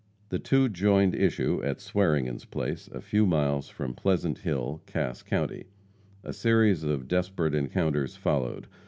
The two joined issue at Swearingen's place, a few miles from Pleasant Hill, Cass county. A series of desperate encounters followed.